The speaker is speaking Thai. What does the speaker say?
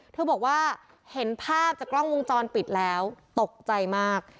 เธอบอกว่าเห็นภาพจากกล้องวงจรปิดแล้วตกใจมาก